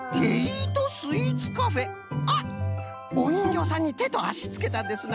あっおにんぎょうさんにてとあしつけたんですな。